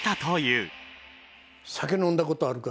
「酒飲んだことあるか？」